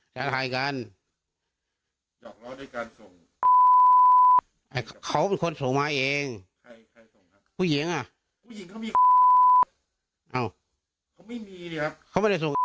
ท้าทายในเรื่องนั้นแหละ